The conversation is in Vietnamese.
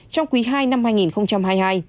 trong quý ii năm hai nghìn hai mươi hai